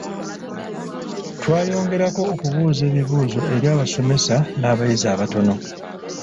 Twayongerako okubuuza ebiibuuzo eri abasomesa n’abayizi abatono.